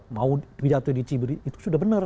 mau pidato diciburi itu sudah benar